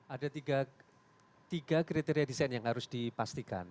ada tiga kriteria desain yang harus dipastikan